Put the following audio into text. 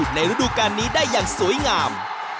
ทำให้ฤดูการนี้ได้อย่างสวยงาม